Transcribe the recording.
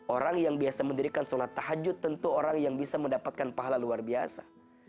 orang yang biasa mendirikan sholat tahajud tentu orang yang bisa mendapatkan pahala luar biasa